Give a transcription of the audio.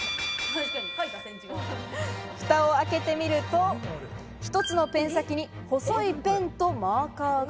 フタを開けてみると、一つのペン先に細いペンとマーカーが。